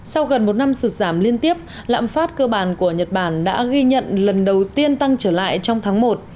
sau gần một năm sụt giảm liên tiếp lạm phát cơ bản của nhật bản đã ghi nhận lần đầu tiên tăng trở lại trong tháng một